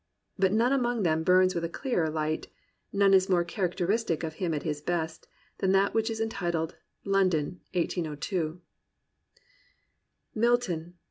But none among them burns with a clearer light, none is more character istic of him at his best, than that which is entitled London, 1802. "Milton